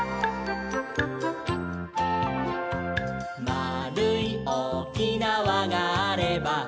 「まあるいおおきなわがあれば」